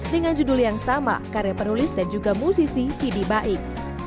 dengan judul yang sama karya penulis dan juga musisi kidi baik